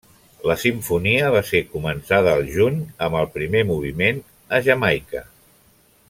La simfonia va ser començada el juny amb el primer moviment, a Jamaica.